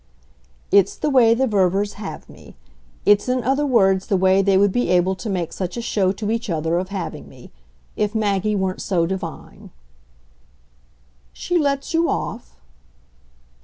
"It's the way the Ververs 'have' me. It's in other words the way they would be able to make such a show to each other of having me if Maggie weren't so divine." "She lets you off?"